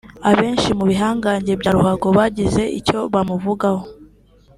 Abenshi mu bihangange bya ruhago bagize icyo bamuvugaho